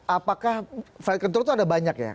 apakah flight control itu ada banyak ya